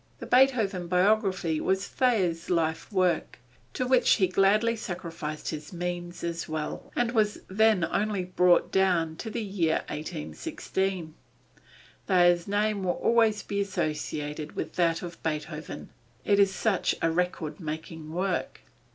The Beethoven biography was Thayer's life work, to which he gladly sacrificed his means as well, and was then only brought down to the year 1816. Thayer's name will always be associated with that of Beethoven, it is such a record making work.